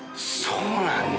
そうなんだ。